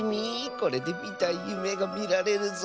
これでみたいゆめがみられるぞ。